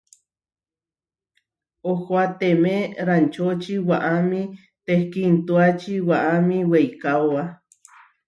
Ohoáteme raančoči waʼamí tehkíintuači waʼámi weikaóba.